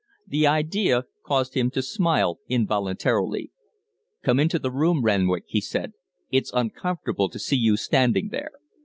The idea caused him to smile involuntarily. "Come into the room, Renwick," he said. "It's uncomfortable to see you standing there.